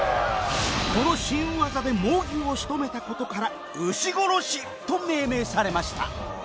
この新技で猛牛を仕留めた事から「牛殺し」と命名されました